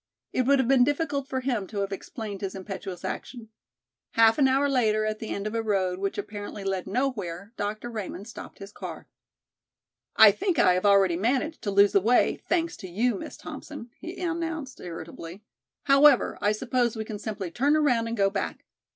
It would have been difficult for him to have explained his impetuous action. Half an hour later, at the end of a road which led apparently nowhere, Dr. Raymond stopped his car. "I think I have already managed to lose the way, thanks to you, Miss Thompson," he announced irritably, "However, I suppose we can simply turn around and go back.